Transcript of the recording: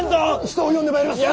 人を呼んでまいります！